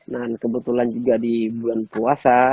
kebetulan juga di bulan puasa